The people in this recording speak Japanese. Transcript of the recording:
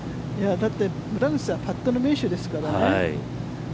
だって、村口さんはパットの名手ですからね。